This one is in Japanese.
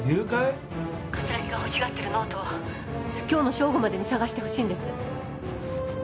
葛城が欲しがってるノートを今日の正午までに捜してほしいんです。